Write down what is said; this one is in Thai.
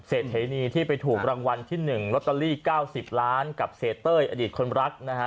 เทนีที่ไปถูกรางวัลที่๑ลอตเตอรี่๙๐ล้านกับเสียเต้ยอดีตคนรักนะฮะ